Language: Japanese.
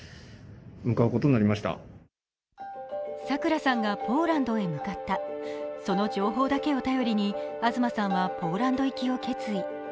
桜さんがポーランドへ向かったその情報だけを頼りに東さんはポーランド行きを決意。